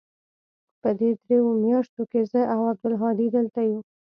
په دې درېو مياشتو کښې چې زه او عبدالهادي دلته يو.